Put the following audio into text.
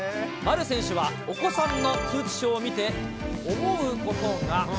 丸選手はお子さんの通知表を見て、思うことが。